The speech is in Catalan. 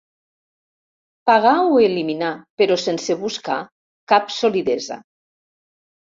Pagar o eliminar, però sense buscar cap solidesa.